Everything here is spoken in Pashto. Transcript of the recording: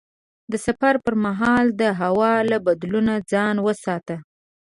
د سفر پر مهال د هوا له بدلون ځان وساته.